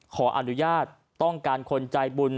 ขออนุญาตต้องการคนใจบุญ